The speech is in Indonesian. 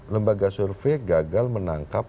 lembaga survei gagal menangkap